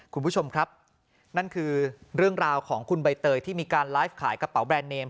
คุณผู้ชมครับนั่นคือเรื่องราวของคุณใบเตยที่มีการไลฟ์ขายกระเป๋าแบรนดเนม